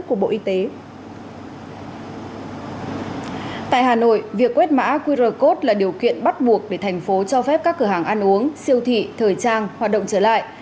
tại hà nội việc quét mã qr code là điều kiện bắt buộc để thành phố cho phép các cửa hàng ăn uống siêu thị thời trang hoạt động trở lại